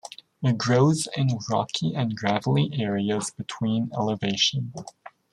It grows in rocky and gravelly areas between elevation.